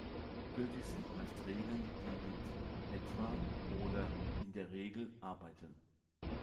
Gültig sind meist Regeln, die mit „etwa“ oder „in der Regel“ arbeiten.